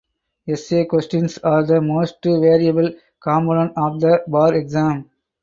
Essay questions are the most variable component of the bar exam.